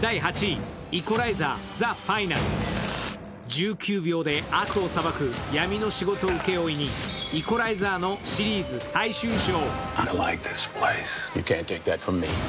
１９秒で悪を裁く、闇の仕事請負人、「イコライザー」のシリーズ最終章。